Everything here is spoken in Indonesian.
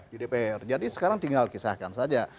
di dpr jadi sekarang tinggal kisahkan saja